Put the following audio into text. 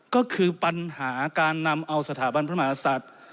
ก็คือปัญหาการนำเอาสถาบันพระมหาศัตริย์